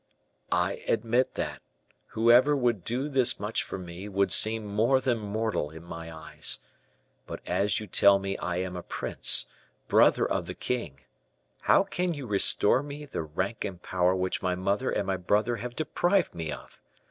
"I admit that, whoever would do this much for me, would seem more than mortal in my eyes; but as you tell me I am a prince, brother of the king, how can you restore me the rank and power which my mother and my brother have deprived me of?